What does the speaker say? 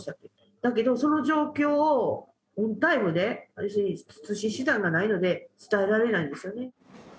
だけど、その状況を通信手段がないので伝えられないんですよね。